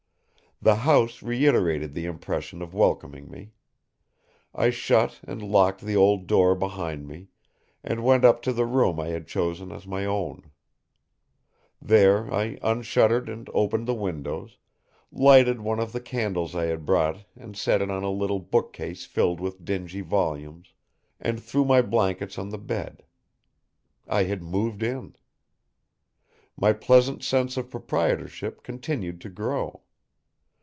The house reiterated the impression of welcoming me. I shut and locked the old door behind me, and went up to the room I had chosen as my own. There I unshuttered and opened the windows, lighted one of the candles I had brought and set it on a little bookcase filled with dingy volumes, and threw my blankets on the bed. I had moved in! My pleasant sense of proprietorship continued to grow.